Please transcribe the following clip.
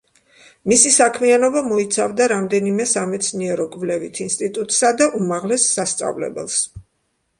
მისი საქმიანობა მოიცავდა რამდენიმე სამეცნიერო-კვლევით ინსტიტუტსა და უმაღლეს სასწავლებელს.